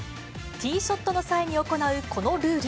ティーショットの際に行うこのルール。